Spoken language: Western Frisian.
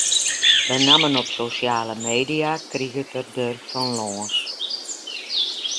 Benammen op sosjale media kriget er der fan lâns.